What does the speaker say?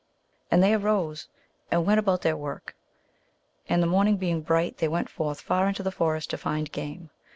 " and they arose, and went about their work. And the morning being bright, they went forth far into the forest to find game.